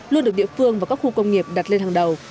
luôn được địa phương và các khu công nghiệp đặt lên hàng đầu